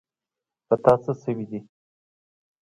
په تا څه شوي دي.